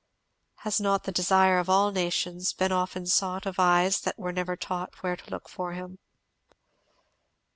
Has not the Desire of all nations been often sought of eyes that were never taught where to look for him.